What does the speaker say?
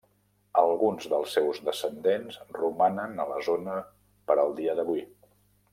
Alguns dels seus descendents romanen a la zona per al dia d'avui.